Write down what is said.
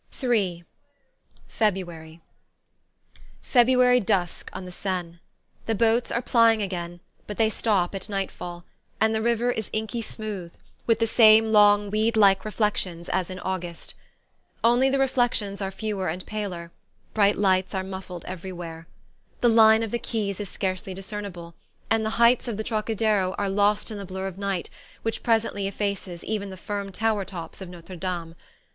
III FEBRUARY FEBRUARY dusk on the Seine. The boats are plying again, but they stop at nightfall, and the river is inky smooth, with the same long weed like reflections as in August. Only the reflections are fewer and paler; bright lights are muffled everywhere. The line of the quays is scarcely discernible, and the heights of the Trocadero are lost in the blur of night, which presently effaces even the firm tower tops of Notre Dame.